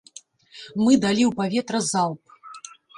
Мы далі ў паветра залп.